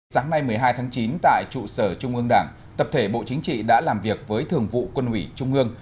sáng nay một mươi hai tháng chín tại trụ sở trung ương đảng tập thể bộ chính trị đã làm việc với thường vụ quân ủy trung ương